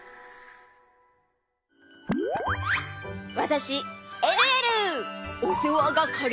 わたしえるえる！